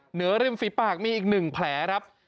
เหนือริมฝีปากมีอีก๑แผลครับ